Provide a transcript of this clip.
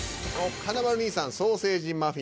華丸兄さん「ソーセージマフィン」